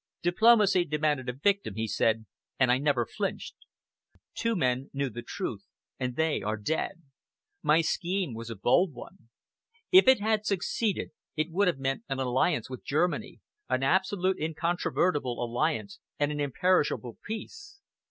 "Diplomacy demanded a victim," he said, "and I never flinched. Two men knew the truth, and they are dead. My scheme was a bold one. If it had succeeded, it would have meant an alliance with Germany, an absolute incontrovertible alliance and an imperishable peace.